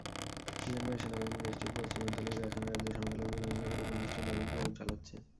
মিয়ানমারের সেনাবাহিনী দেশটির পশ্চিমাঞ্চলীয় রাখাইন রাজ্যের সংখ্যালঘু রোহিঙ্গাদের ওপর নিষ্ঠুর দমনপীড়ন চালাচ্ছে।